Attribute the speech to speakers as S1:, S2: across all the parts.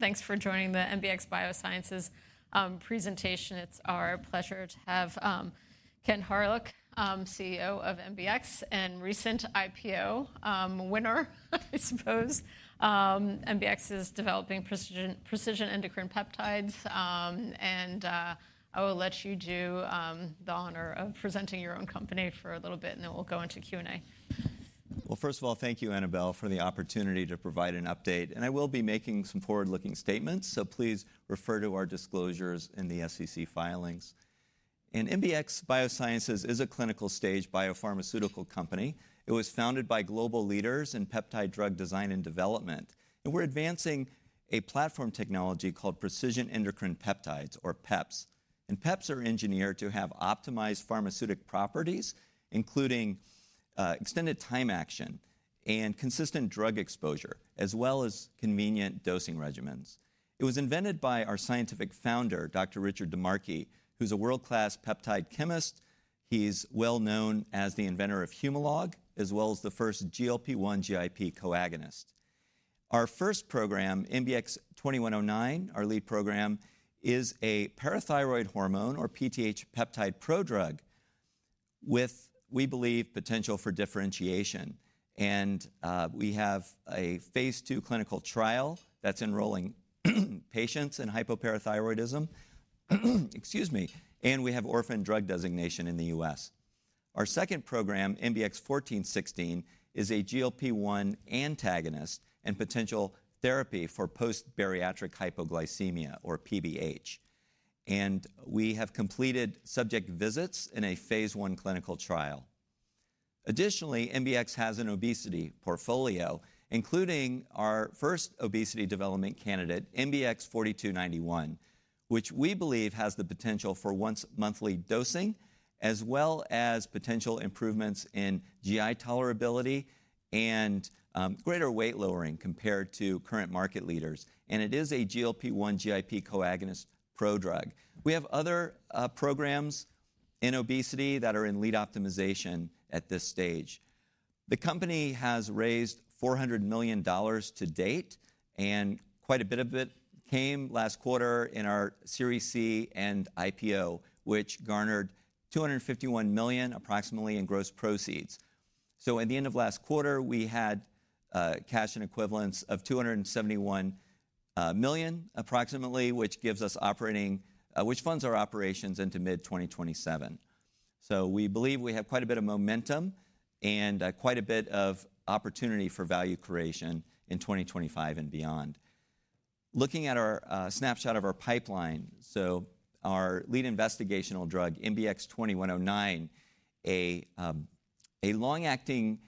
S1: Thanks for joining the MBX Biosciences presentation. It's our pleasure to have Kent Hawryluk, CEO of MBX and recent IPO winner, I suppose. MBX is developing Precision Endocrine Peptides, and I will let you do the honor of presenting your own company for a little bit, and then we'll go into Q&A.
S2: First of all, thank you, Annabel, for the opportunity to provide an update. I will be making some forward-looking statements, so please refer to our disclosures in the SEC filings. MBX Biosciences is a clinical stage biopharmaceutical company. It was founded by global leaders in peptide drug design and development. We're advancing a platform technology called Precision Endocrine Peptides, or PEPs. PEPs are engineered to have optimized pharmaceutical properties, including extended time action and consistent drug exposure, as well as convenient dosing regimens. It was invented by our scientific founder, Dr. Richard DiMarchi, who's a world-class peptide chemist. He's well known as the inventor of Humalog, as well as the first GLP-1/GIP co-agonist. Our first program, MBX 2109, our lead program, is a parathyroid hormone, or PTH peptide prodrug, with, we believe, potential for differentiation. We have a phase II clinical trial that's enrolling patients in hypoparathyroidism. Excuse me. We have orphan drug designation in the U.S. Our second program, MBX 1416, is a GLP-1 antagonist and potential therapy for post-bariatric hypoglycemia, or PBH. We have completed subject visits in a phase I clinical trial. Additionally, MBX has an obesity portfolio, including our first obesity development candidate, MBX 4291, which we believe has the potential for once-monthly dosing, as well as potential improvements in GI tolerability and greater weight lowering compared to current market leaders. It is a GLP-1/GIP co-agonist prodrug. We have other programs in obesity that are in lead optimization at this stage. The company has raised $400 million to date, and quite a bit of it came last quarter in our Series C and IPO, which garnered $251 million, approximately, in gross proceeds. At the end of last quarter, we had cash and cash equivalents of $271 million, approximately, which funds our operations into mid-2027. We believe we have quite a bit of momentum and quite a bit of opportunity for value creation in 2025 and beyond. Looking at our snapshot of our pipeline, our lead investigational drug, MBX 2109, a long-acting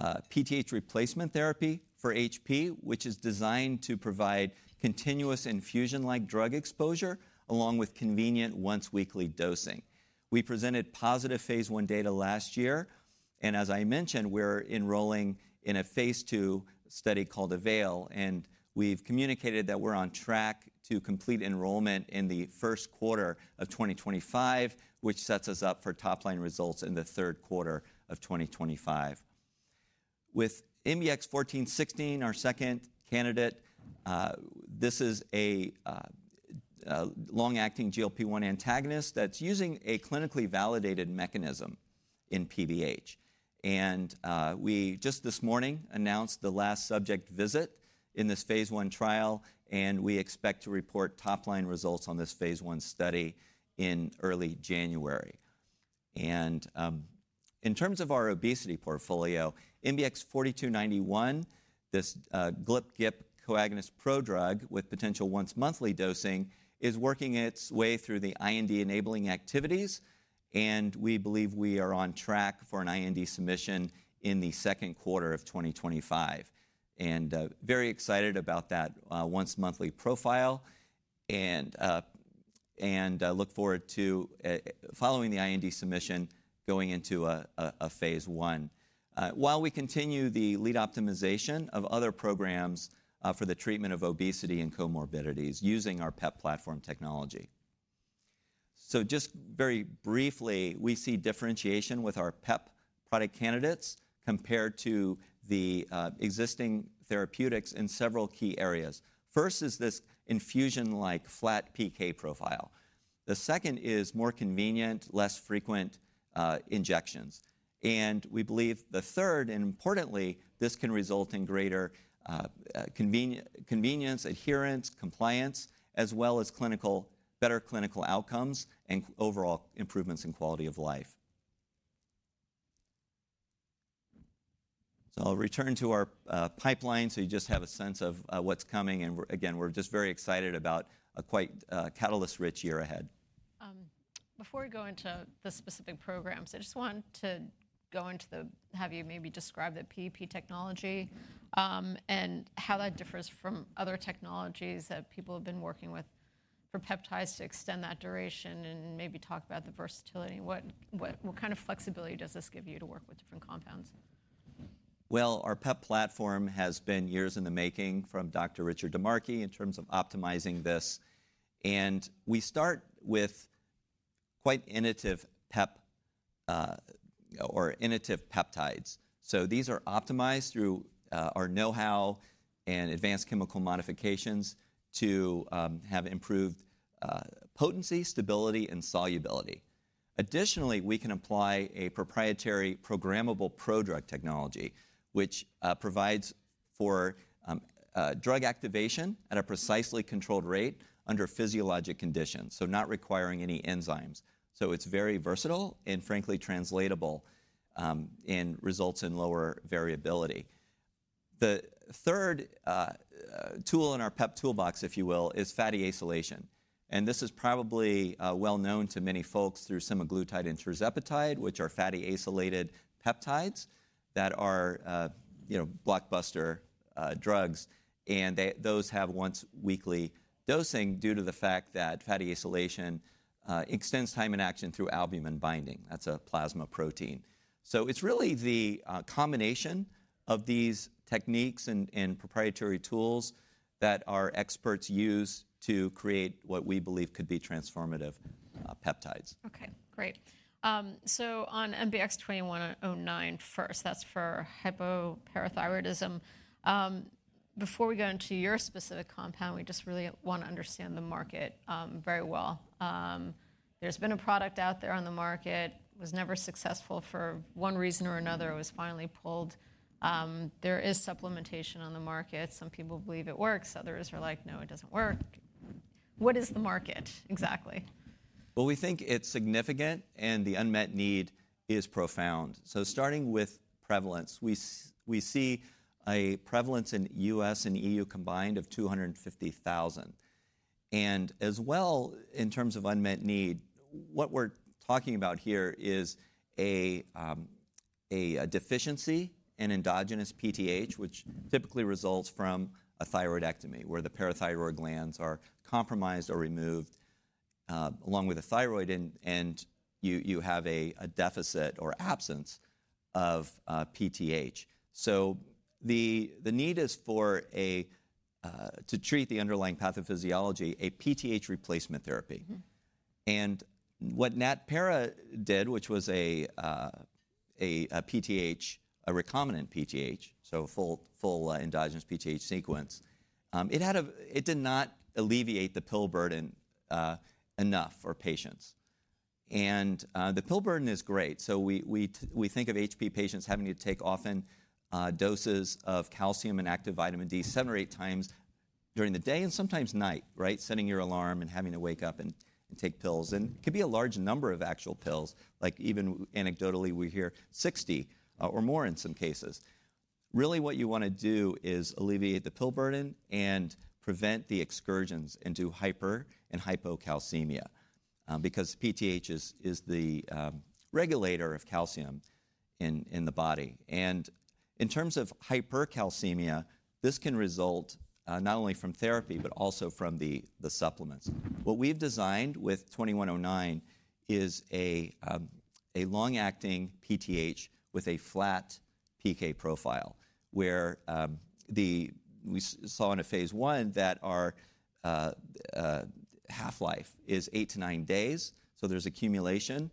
S2: PTH replacement therapy for HP, which is designed to provide continuous infusion-like drug exposure, along with convenient once-weekly dosing. We presented positive phase I data last year. As I mentioned, we're enrolling in a phase II study called Avail. We've communicated that we're on track to complete enrollment in the first quarter of 2025, which sets us up for top-line results in the third quarter of 2025. With MBX 1416, our second candidate, this is a long-acting GLP-1 antagonist that's using a clinically validated mechanism in PBH, and we just this morning announced the last subject visit in this phase I trial, and we expect to report top-line results on this phase I study in early January, and in terms of our obesity portfolio, MBX 4291, this GLP-1/GIP co-agonist prodrug with potential once-monthly dosing, is working its way through the IND enabling activities, and we believe we are on track for an IND submission in the second quarter of 2025, and very excited about that once-monthly profile, and look forward to following the IND submission, going into a phase I, while we continue the lead optimization of other programs for the treatment of obesity and comorbidities using our PEP platform technology. So just very briefly, we see differentiation with our PEP product candidates compared to the existing therapeutics in several key areas. First is this infusion-like flat PK profile. The second is more convenient, less frequent injections. And we believe the third, and importantly, this can result in greater convenience, adherence, compliance, as well as better clinical outcomes and overall improvements in quality of life. So I'll return to our pipeline so you just have a sense of what's coming. And again, we're just very excited about a quite catalyst-rich year ahead.
S1: Before we go into the specific programs, I just want to have you maybe describe the PEP technology and how that differs from other technologies that people have been working with for peptides to extend that duration and maybe talk about the versatility. What kind of flexibility does this give you to work with different compounds?
S2: Our PEP platform has been years in the making from Dr. Richard DiMarchi in terms of optimizing this, and we start with quite innovative PEP or innovative peptides. So these are optimized through our know-how and advanced chemical modifications to have improved potency, stability, and solubility. Additionally, we can apply a proprietary programmable prodrug technology, which provides for drug activation at a precisely controlled rate under physiologic conditions, so not requiring any enzymes. So it's very versatile and, frankly, translatable and results in lower variability. The third tool in our PEP toolbox, if you will, is fatty acylation, and this is probably well known to many folks through semaglutide and tirzepatide, which are fatty acylated peptides that are blockbuster drugs, and those have once-weekly dosing due to the fact that fatty acylation extends time in action through albumin binding. That's a plasma protein. So it's really the combination of these techniques and proprietary tools that our experts use to create what we believe could be transformative peptides.
S1: Okay, great. So on MBX 2109 first, that's for hypoparathyroidism. Before we go into your specific compound, we just really want to understand the market very well. There's been a product out there on the market. It was never successful for one reason or another. It was finally pulled. There is supplementation on the market. Some people believe it works. Others are like, no, it doesn't work. What is the market exactly?
S2: We think it's significant, and the unmet need is profound. Starting with prevalence, we see a prevalence in the U.S. and E.U. combined of 250,000. As well, in terms of unmet need, what we're talking about here is a deficiency in endogenous PTH, which typically results from a thyroidectomy where the parathyroid glands are compromised or removed along with the thyroid, and you have a deficit or absence of PTH. The need is to treat the underlying pathophysiology, a PTH replacement therapy. What Natpara did, which was a PTH, a recombinant PTH, so full endogenous PTH sequence, it did not alleviate the pill burden enough for patients. The pill burden is great. We think of HP patients having to take often doses of calcium and active vitamin D seven or eight times during the day and sometimes night, right? Setting your alarm and having to wake up and take pills. It could be a large number of actual pills. Like even anecdotally, we hear 60 or more in some cases. Really, what you want to do is alleviate the pill burden and prevent the excursions into hypercalcemia and hypocalcemia because PTH is the regulator of calcium in the body. In terms of hypercalcemia, this can result not only from therapy, but also from the supplements. What we've designed with 2109 is a long-acting PTH with a flat PK profile, where we saw in phase I that our half-life is eight to nine days. There's accumulation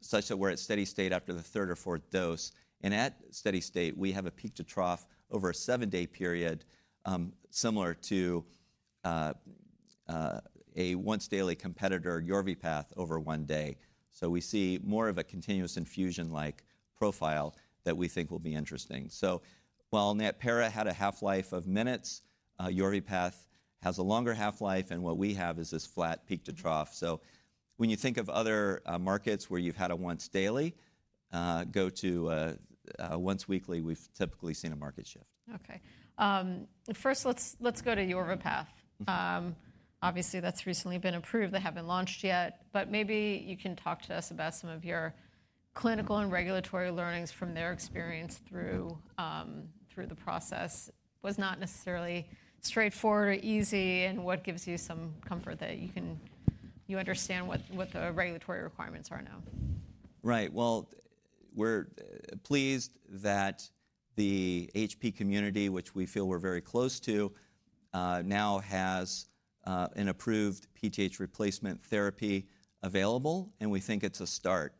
S2: such that we're at steady state after the third or fourth dose. At steady state, we have a peak-to-trough over a seven-day period, similar to a once-daily competitor, Yorvipath, over one day. So we see more of a continuous infusion-like profile that we think will be interesting. So while Natpara had a half-life of minutes, Yorvipath has a longer half-life. And what we have is this flat peak to trough. So when you think of other markets where you've had a once-daily, go to once-weekly, we've typically seen a market shift.
S1: Okay. First, let's go to Yorvipath. Obviously, that's recently been approved. They haven't launched yet, but maybe you can talk to us about some of your clinical and regulatory learnings from their experience through the process. It was not necessarily straightforward or easy, and what gives you some comfort that you understand what the regulatory requirements are now?
S2: Right. Well, we're pleased that the HP community, which we feel we're very close to, now has an approved PTH replacement therapy available. And we think it's a start.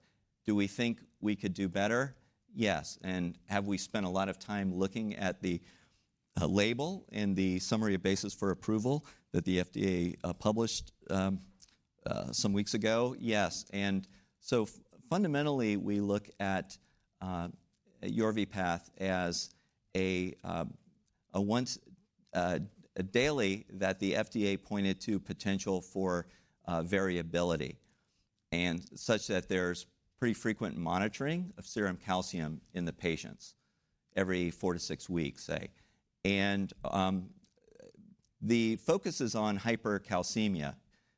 S2: Do we think we could do better? Yes. And have we spent a lot of time looking at the label and the summary of basis for approval that the FDA published some weeks ago? Yes. And so fundamentally, we look at Yorvipath as a daily that the FDA pointed to potential for variability and such that there's pretty frequent monitoring of serum calcium in the patients every four to six weeks, say. And the focus is on hypercalcemia,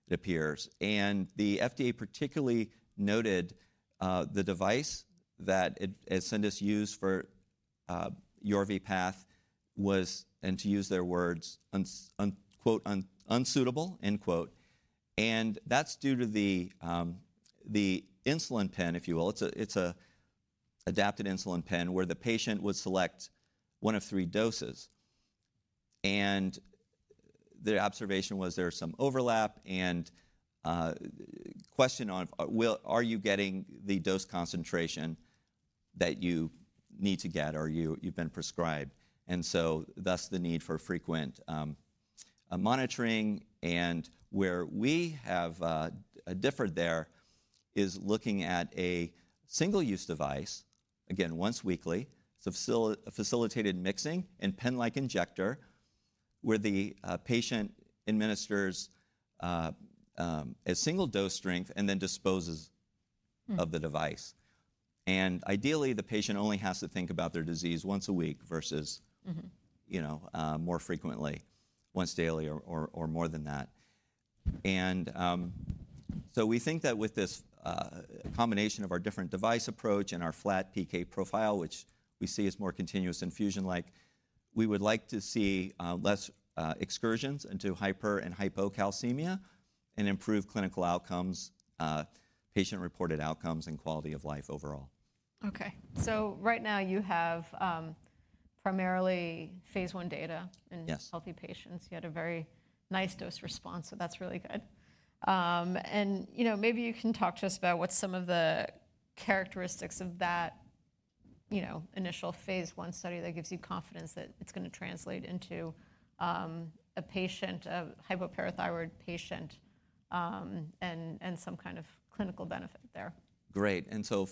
S2: it appears. And the FDA particularly noted the device that Ascendis used for Yorvipath was, and to use their words, "unsuitable." And that's due to the insulin pen, if you will. It's an adapted insulin pen where the patient would select one of three doses. And the observation was there's some overlap and question of, are you getting the dose concentration that you need to get or you've been prescribed? And so thus, the need for frequent monitoring. And where we have differed there is looking at a single-use device, again, once weekly, it's a facilitated mixing and pen-like injector where the patient administers a single dose strength and then disposes of the device. And ideally, the patient only has to think about their disease once a week versus more frequently, once daily or more than that. We think that with this combination of our different device approach and our flat PK profile, which we see as more continuous infusion-like, we would like to see less excursions into hypercalcemia and hypocalcemia and improve clinical outcomes, patient-reported outcomes, and quality of life overall.
S1: Okay. So right now, you have primarily phase I data in healthy patients. You had a very nice dose response. So that's really good. And maybe you can talk to us about what some of the characteristics of that initial phase I study that gives you confidence that it's going to translate into a hypoparathyroid patient and some kind of clinical benefit there.
S2: Great. And so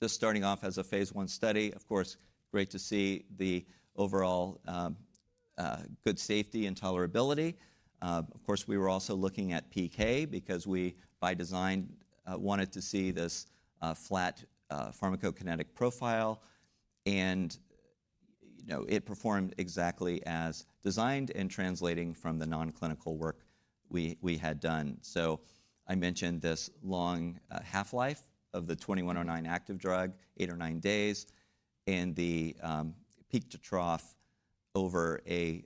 S2: just starting off as a phase I study, of course, great to see the overall good safety and tolerability. Of course, we were also looking at PK because we, by design, wanted to see this flat pharmacokinetic profile. And it performed exactly as designed and translating from the non-clinical work we had done. So I mentioned this long half-life of the 2109 active drug, eight or nine days, and the peak to trough over a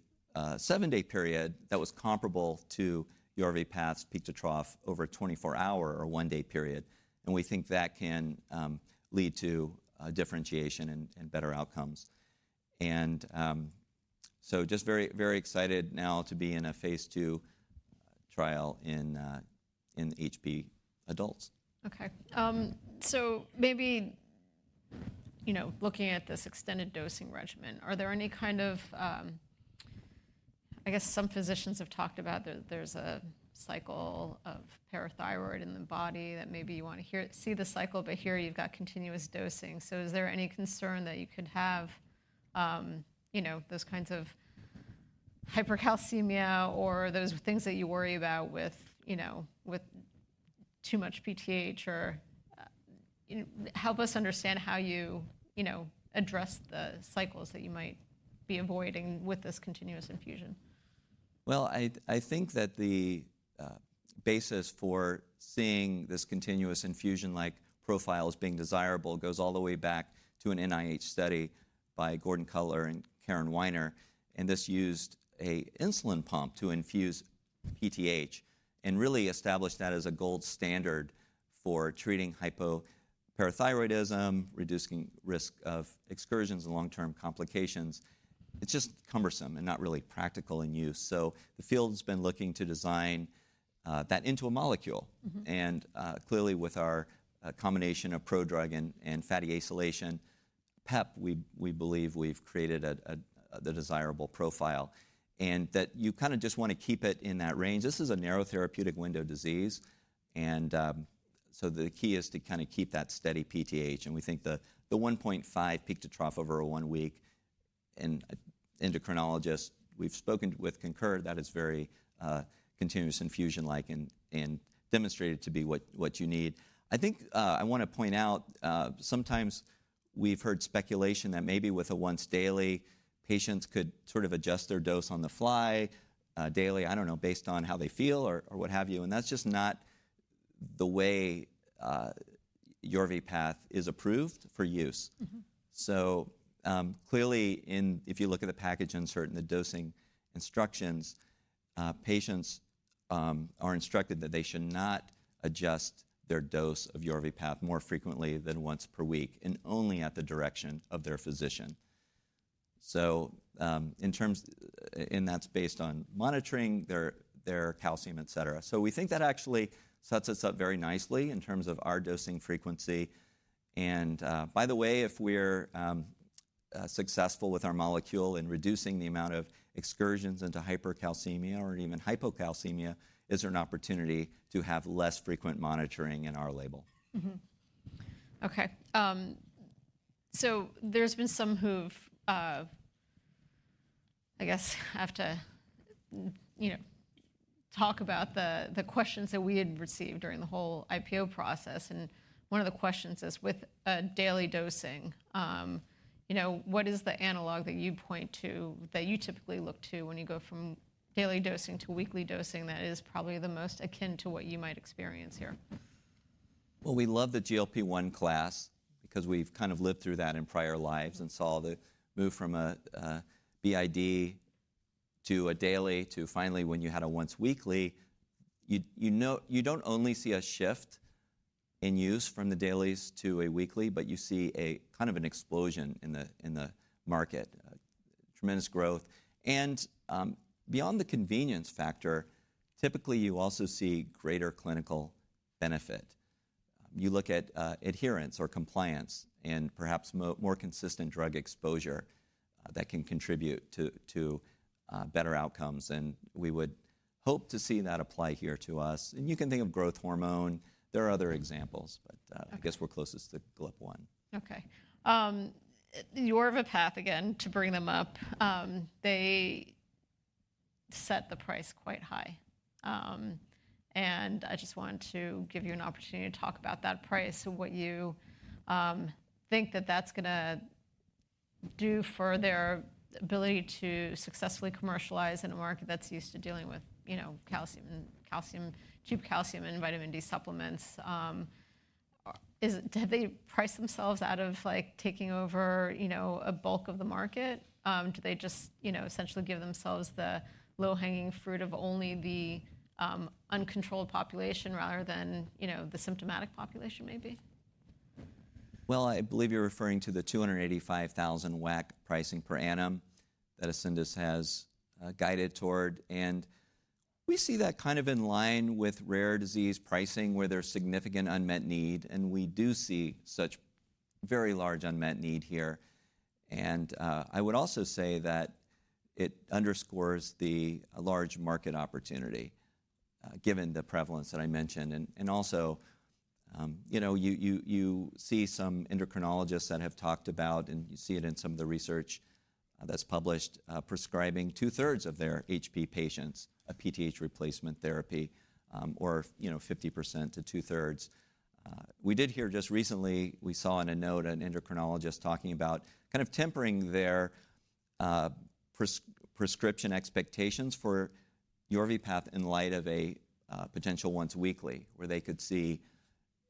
S2: seven-day period that was comparable to Yorvipath's peak to trough over a 24-hour or one-day period. And we think that can lead to differentiation and better outcomes. And so just very excited now to be in a phase II trial in HP adults.
S1: Okay. So maybe looking at this extended dosing regimen, are there any kind of, I guess some physicians have talked about there's a cycle of parathyroid in the body that maybe you want to see the cycle, but here you've got continuous dosing? So is there any concern that you could have those kinds of hypercalcemia or those things that you worry about with too much PTH? Or help us understand how you address the cycles that you might be avoiding with this continuous infusion.
S2: I think that the basis for seeing this continuous infusion-like profile as being desirable goes all the way back to an NIH study by Gordon Cutler and Karen Winer. This used an insulin pump to infuse PTH and really established that as a gold standard for treating hypoparathyroidism, reducing risk of excursions and long-term complications. It's just cumbersome and not really practical in use. The field has been looking to design that into a molecule. Clearly, with our combination of prodrug and fatty acylation PEP, we believe we've created the desirable profile. That you kind of just want to keep it in that range. This is a narrow therapeutic window disease. The key is to kind of keep that steady PTH. And we think the 1.5 peak to trough over a one-week, and endocrinologists we've spoken with concur that it's very continuous infusion-like and demonstrated to be what you need. I think I want to point out, sometimes we've heard speculation that maybe with a once-daily, patients could sort of adjust their dose on the fly daily. I don't know, based on how they feel or what have you. And that's just not the way Yorvipath is approved for use. So clearly, if you look at the package insert and the dosing instructions, patients are instructed that they should not adjust their dose of Yorvipath more frequently than once per week and only at the direction of their physician. So, in that it's based on monitoring their calcium, et cetera. So we think that actually sets us up very nicely in terms of our dosing frequency. By the way, if we're successful with our molecule in reducing the amount of excursions into hypercalcemia or even hypocalcemia, it's an opportunity to have less frequent monitoring in our label.
S1: Okay. So there's been some who've, I guess, have to talk about the questions that we had received during the whole IPO process. And one of the questions is, with daily dosing, what is the analog that you point to that you typically look to when you go from daily dosing to weekly dosing that is probably the most akin to what you might experience here?
S2: We love the GLP-1 class because we've kind of lived through that in prior lives and saw the move from a BID to a daily to finally when you had a once-weekly. You don't only see a shift in use from the dailies to a weekly, but you see kind of an explosion in the market, tremendous growth. And beyond the convenience factor, typically you also see greater clinical benefit. You look at adherence or compliance and perhaps more consistent drug exposure that can contribute to better outcomes. And we would hope to see that apply here to us. And you can think of growth hormone. There are other examples, but I guess we're closest to GLP-1.
S1: Okay. Yorvipath, again, to bring them up, they set the price quite high. And I just want to give you an opportunity to talk about that price, what you think that that's going to do for their ability to successfully commercialize in a market that's used to dealing with calcium, cheap calcium and vitamin D supplements. Have they priced themselves out of taking over a bulk of the market? Do they just essentially give themselves the low-hanging fruit of only the uncontrolled population rather than the symptomatic population maybe?
S2: I believe you're referring to the $285,000 WAC pricing per annum that Ascendis has guided toward. We see that kind of in line with rare disease pricing where there's significant unmet need. We do see such very large unmet need here. I would also say that it underscores the large market opportunity given the prevalence that I mentioned. Also, you see some endocrinologists that have talked about, and you see it in some of the research that's published, prescribing two-thirds of their HP patients a PTH replacement therapy or 50% to two-thirds. We did hear just recently, we saw in a note an endocrinologist talking about kind of tempering their prescription expectations for Yorvipath in light of a potential once-weekly where they could see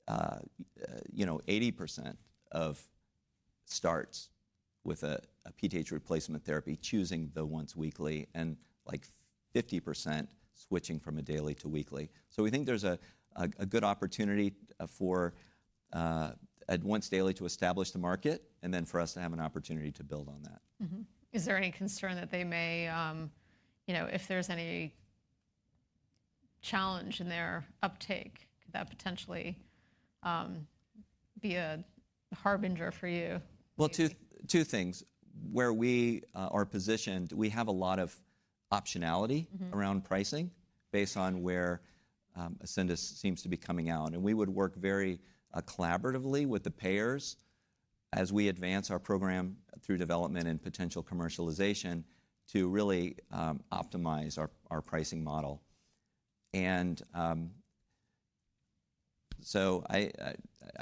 S2: 80% of starts with a PTH replacement therapy choosing the once-weekly and 50% switching from a daily to weekly. So we think there's a good opportunity for once-daily to establish the market and then for us to have an opportunity to build on that.
S1: Is there any concern that they may, if there's any challenge in their uptake, could that potentially be a harbinger for you?
S2: Two things. Where we are positioned, we have a lot of optionality around pricing based on where Ascendis seems to be coming out. And we would work very collaboratively with the payers as we advance our program through development and potential commercialization to really optimize our pricing model. And so I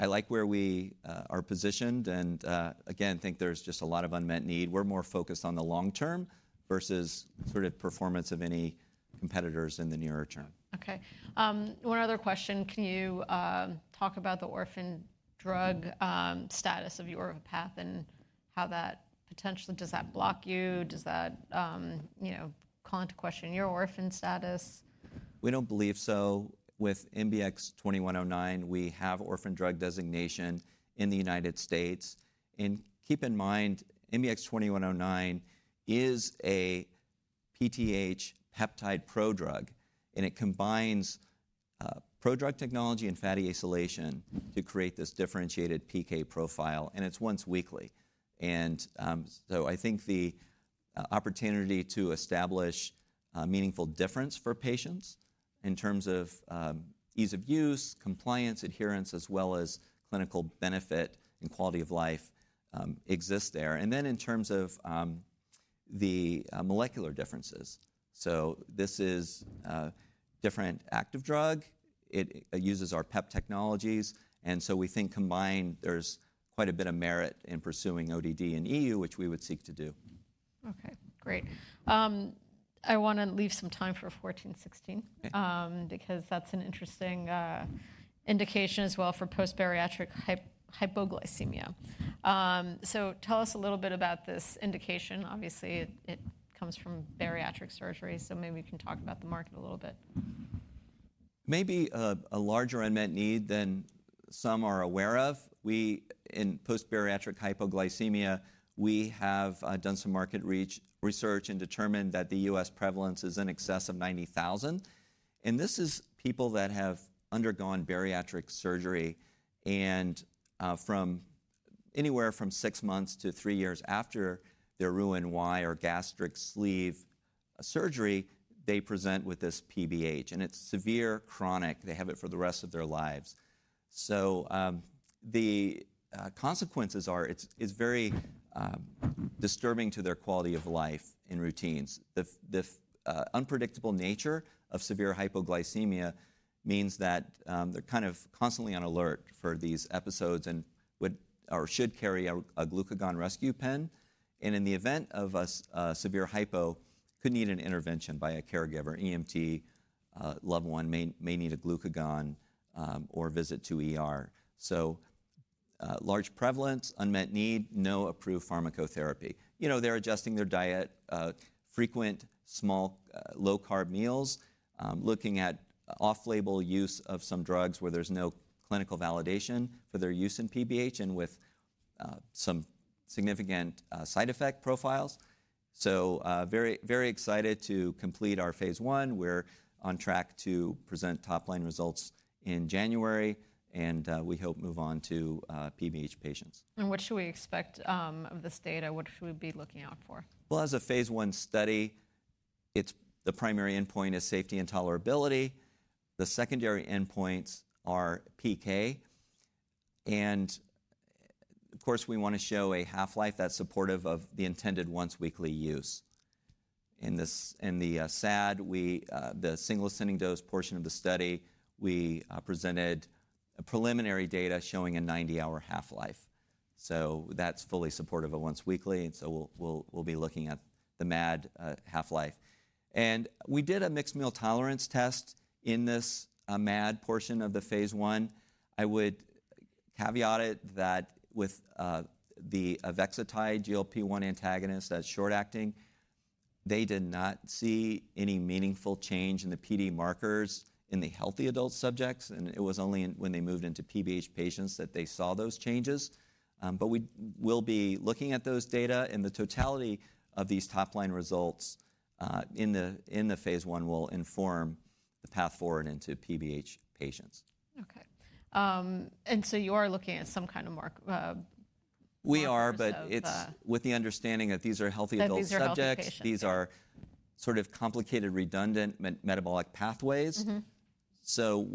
S2: like where we are positioned and again, think there's just a lot of unmet need. We're more focused on the long-term versus sort of performance of any competitors in the nearer term.
S1: Okay. One other question. Can you talk about the orphan drug status of Yorvipath and how that potentially does that block you? Does that call into question your orphan status?
S2: We don't believe so. With MBX 2109, we have orphan drug designation in the United States. And keep in mind, MBX 2109 is a PTH peptide prodrug. And it combines prodrug technology and fatty acylation to create this differentiated PK profile. And it's once-weekly. And so I think the opportunity to establish meaningful difference for patients in terms of ease of use, compliance, adherence, as well as clinical benefit and quality of life exists there. And then in terms of the molecular differences. So this is a different active drug. It uses our PEP technologies. And so we think combined, there's quite a bit of merit in pursuing ODD in EU, which we would seek to do.
S1: Okay. Great. I want to leave some time for 1416 because that's an interesting indication as well for post-bariatric hypoglycemia. So tell us a little bit about this indication. Obviously, it comes from bariatric surgery. So maybe you can talk about the market a little bit.
S2: Maybe a larger unmet need than some are aware of. In post-bariatric hypoglycemia, we have done some market research and determined that the U.S. prevalence is in excess of 90,000. And this is people that have undergone bariatric surgery. And from anywhere from six months to three years after their Roux-en-Y or gastric sleeve surgery, they present with this PBH. And it's severe, chronic. They have it for the rest of their lives. So the consequences are it's very disturbing to their quality of life and routines. The unpredictable nature of severe hypoglycemia means that they're kind of constantly on alert for these episodes and should carry a glucagon rescue pen. And in the event of a severe hypo, could need an intervention by a caregiver, EMT, loved one, may need a glucagon or visit to ER. So large prevalence, unmet need, no approved pharmacotherapy. They're adjusting their diet, frequent small low-carb meals, looking at off-label use of some drugs where there's no clinical validation for their use in PBH and with some significant side effect profiles, so very excited to complete our phase I. We're on track to present top-line results in January, and we hope move on to PBH patients.
S1: What should we expect of this data? What should we be looking out for?
S2: As a phase I study, the primary endpoint is safety and tolerability. The secondary endpoints are PK, and of course, we want to show a half-life that's supportive of the intended once-weekly use. In the SAD, the single ascending dose portion of the study, we presented preliminary data showing a 90-hour half-life. So that's fully supportive of once-weekly, and so we'll be looking at the MAD half-life, and we did a mixed meal tolerance test in this MAD portion of the phase I. I would caveat it that with the avexitide GLP-1 antagonist as short-acting, they did not see any meaningful change in the PD markers in the healthy adult subjects, and it was only when they moved into PBH patients that they saw those changes, but we will be looking at those data. The totality of these top-line results in the phase I will inform the path forward into PBH patients.
S1: Okay, and so you are looking at some kind of marker.
S2: We are, but it's with the understanding that these are healthy adult subjects. These are sort of complicated redundant metabolic pathways. So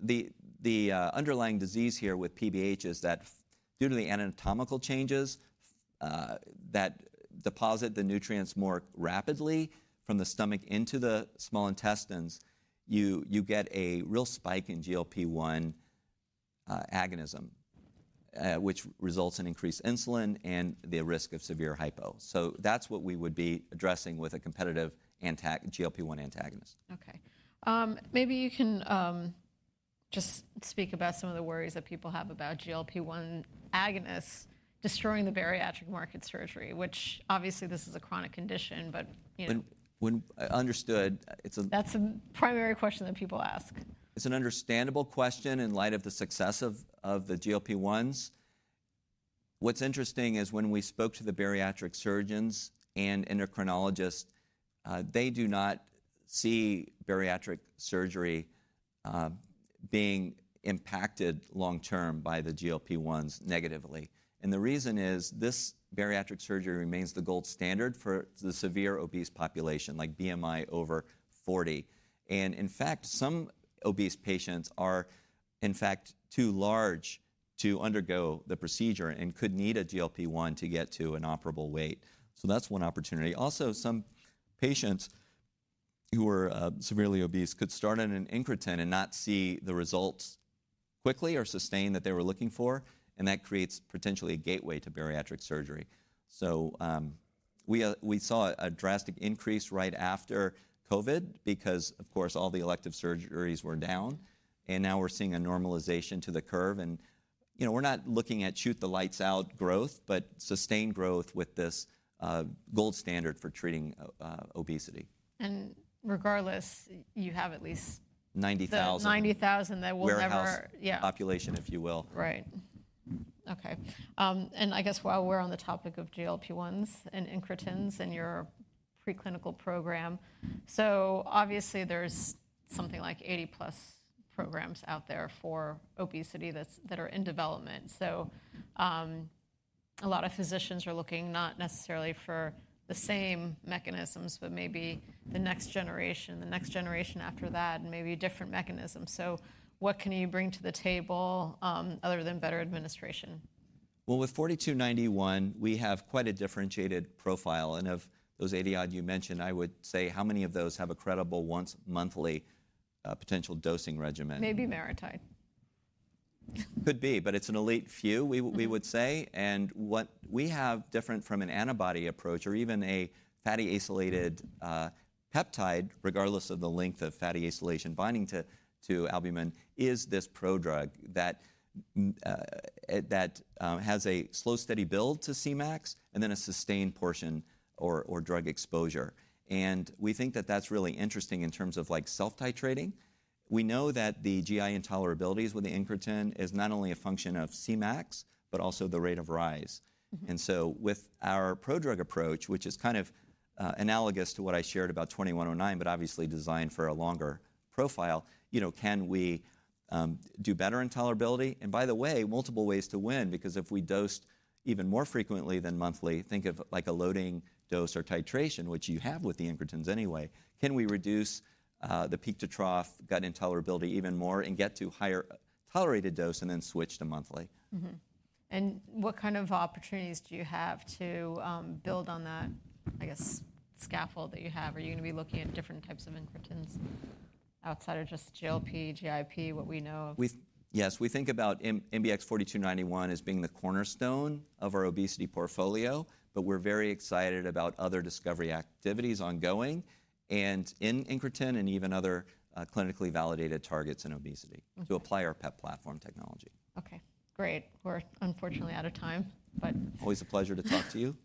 S2: the underlying disease here with PBH is that due to the anatomical changes that deposit the nutrients more rapidly from the stomach into the small intestines, you get a real spike in GLP-1 agonism, which results in increased insulin and the risk of severe hypo. So that's what we would be addressing with a competitive GLP-1 antagonist.
S1: Okay. Maybe you can just speak about some of the worries that people have about GLP-1 agonists destroying the bariatric surgery market, which obviously this is a chronic condition, but.
S2: Understood.
S1: That's a primary question that people ask.
S2: It's an understandable question in light of the success of the GLP-1s. What's interesting is when we spoke to the bariatric surgeons and endocrinologists, they do not see bariatric surgery being impacted long-term by the GLP-1s negatively, and the reason is this bariatric surgery remains the gold standard for the severe obese population like BMI over 40, and in fact, some obese patients are in fact too large to undergo the procedure and could need a GLP-1 to get to an operable weight, so that's one opportunity. Also, some patients who are severely obese could start on an incretin and not see the results quickly or sustain that they were looking for, and that creates potentially a gateway to bariatric surgery, so we saw a drastic increase right after COVID because, of course, all the elective surgeries were down, and now we're seeing a normalization to the curve. We're not looking at shoot the lights out growth, but sustained growth with this gold standard for treating obesity.
S1: And regardless, you have at least.
S2: 90,000.
S1: 90,000 that will never.
S2: Population, if you will.
S1: Right. Okay, and I guess while we're on the topic of GLP-1s and incretins and your preclinical program, so obviously there's something like 80-plus programs out there for obesity that are in development. So a lot of physicians are looking not necessarily for the same mechanisms, but maybe the next generation, the next generation after that, and maybe different mechanisms. So what can you bring to the table other than better administration?
S2: With 4291, we have quite a differentiated profile. Of those 80 odd you mentioned, I would say how many of those have a credible once-monthly potential dosing regimen?
S1: Maybe MariTide.
S2: Could be, but it's an elite few, we would say. And what we have different from an antibody approach or even a fatty acylated peptide, regardless of the length of fatty acylation binding to albumin, is this prodrug that has a slow steady build to Cmax and then a sustained portion or drug exposure. And we think that that's really interesting in terms of self-titrating. We know that the GI intolerabilities with the incretin is not only a function of Cmax, but also the rate of rise. And so with our prodrug approach, which is kind of analogous to what I shared about 2109, but obviously designed for a longer profile, can we do better in tolerability? By the way, multiple ways to win because if we dosed even more frequently than monthly, think of a loading dose or titration, which you have with the incretins anyway, can we reduce the peak to trough gut intolerability even more and get to higher tolerated dose and then switch to monthly?
S1: And what kind of opportunities do you have to build on that, I guess, scaffold that you have? Are you going to be looking at different types of incretins outside of just GLP, GIP, what we know?
S2: Yes, we think about MBX 4291 as being the cornerstone of our obesity portfolio, but we're very excited about other discovery activities ongoing in incretin and even other clinically validated targets in obesity to apply our PEP platform technology.
S1: Okay. Great. We're unfortunately out of time, but.
S2: Always a pleasure to talk to you.